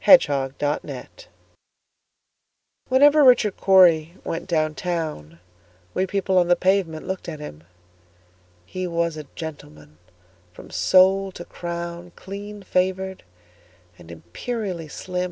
Richard Cory WHENEVER Richard Cory went down town, We people on the pavement looked at him:He was a gentleman from sole to crown, Clean favored, and imperially slim.